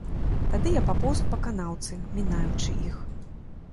Тады я папоўз па канаўцы, мінаючы іх.